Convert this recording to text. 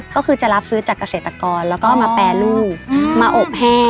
ก็คือจะรับซื้อจากเกษตรกรแล้วก็เอามาแปรรูปมาอบแห้ง